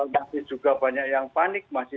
masih juga banyak yang panik masih